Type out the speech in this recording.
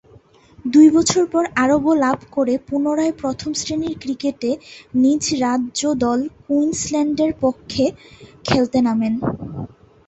দুই বছর পর আরোগ্য লাভ করে পুনরায় প্রথম-শ্রেণীর ক্রিকেটে নিজ রাজ্য দল কুইন্সল্যান্ডের পক্ষে খেলতে নামেন।